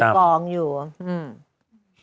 เงินเป็นกองอยู่อืม